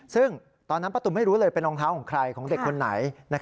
ซึ่งตอนนั้นป้าตุ๋มไม่รู้เลยเป็นรองเท้าของใครของเด็กคนไหน